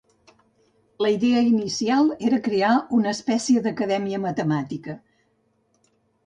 La idea inicial era crear una espècie d'acadèmia matemàtica.